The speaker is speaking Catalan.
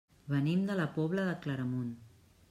Venim de la Pobla de Claramunt.